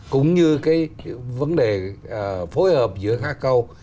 cũng như cái vấn đề phối hợp giữa hai câu